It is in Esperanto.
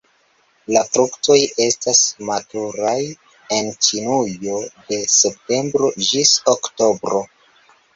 La fruktoj estas maturaj en Ĉinujo de septembro ĝis oktobro.